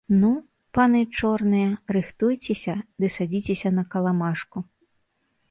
Ну, паны чорныя, рыхтуйцеся ды садзіцеся на каламажку.